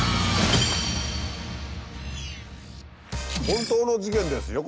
本当の事件ですよ